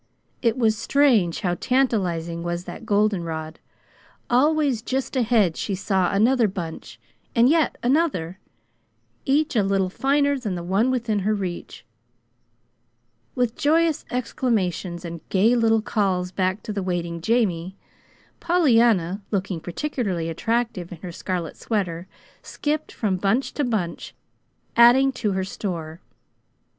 It was strange how tantalizing was that goldenrod. Always just ahead she saw another bunch, and yet another, each a little finer than the one within her reach. With joyous exclamations and gay little calls back to the waiting Jamie, Pollyanna looking particularly attractive in her scarlet sweater skipped from bunch to bunch, adding to her store.